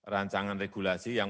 rancangan regulasi yang